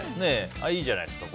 いいじゃないですか。